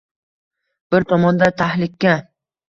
Bir tomonda tahlika